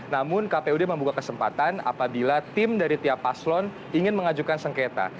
namun kpud membuka kesempatan apabila tim dari tiap paslon ingin mengajukan sengketa